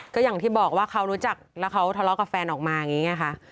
ก็อย่างที่บอกว่าเขารู้จักแล้วเขาทะเลาะกับแฟนออกมาอย่างนี้ไงค่ะ